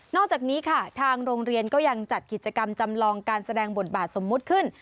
อกจากนี้ค่ะทางโรงเรียนก็ยังจัดกิจกรรมจำลองการแสดงบทบาทสมมุติขึ้น